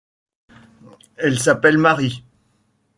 Elle s'appelle Marie.